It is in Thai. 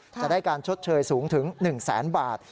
จะได้การชดเชยสูงถึง๑แสนบาท